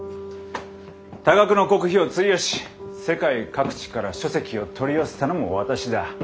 多額の国費を費やし世界各地から書籍を取り寄せたのも私だ。